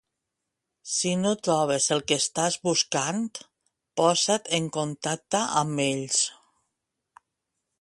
Si no trobes el que estàs buscant, posa't en contacte amb ells.